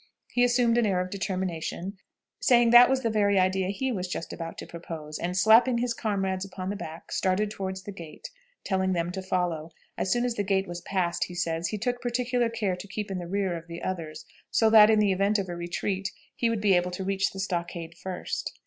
He assumed an air of determination, saying that was the very idea he was just about to propose; and, slapping his comrades upon the back, started toward the gate, telling them to follow. As soon as the gate was passed, he says, he took particular care to keep in the rear of the others, so that, in the event of a retreat, he would be able to reach the stockade first.